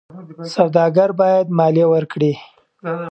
سوداګر باید مالیه ورکړي.